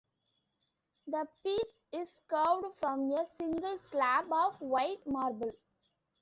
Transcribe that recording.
The piece is carved from a single slab of white marble.